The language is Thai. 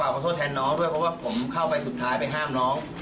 ขอโทษแทนน้องด้วยเพราะว่าผมเข้าไปสุดท้ายไปห้ามน้อง